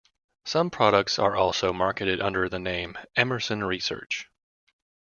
Some products are also marketed under the name "Emerson Research".